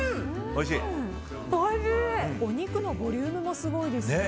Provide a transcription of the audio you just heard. お肉のボリュームもすごいですね。